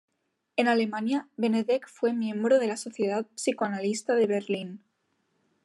En Alemania, Benedek fue miembro de la Sociedad Psicoanalista de Berlín.